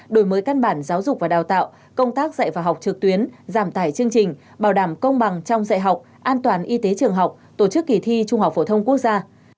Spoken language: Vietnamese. đổi mới căn bản giáo dục và đào tạo công tác dạy và học trực tuyến giảm tải chương trình bảo đảm công bằng trong dạy học an toàn y tế trường học tổ chức kỳ thi trung học phổ thông quốc gia